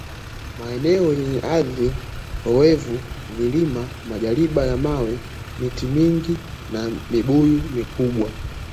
Maeneo yenye ardhi loevu Vilima Majabari ya mawe miti mingi na Mibuyu mikubwa